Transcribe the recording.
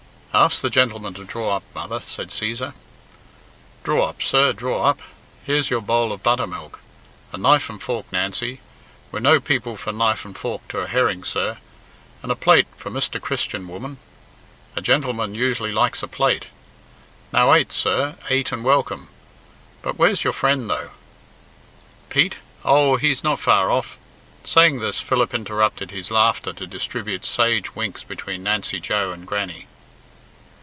"Ask the gentleman to draw up, mother," said Cæsar. "Draw up, sir, draw up. Here's your bowl of butter milk. A knife and fork, Nancy. We're no people for knife and fork to a herring, sir. And a plate for Mr. Christian, woman; a gentleman usually likes a plate. Now ate, sir, ate and welcome but where's your friend, though?" "Pete! oh! he's not far off." Saying this, Philip interrupted his laughter to distribute sage winks between Nancy Joe and Grannie.